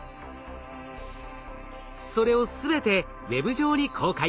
それを全てＷＥＢ上に公開。